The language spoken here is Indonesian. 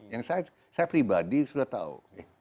yang saya pribadi sudah tahu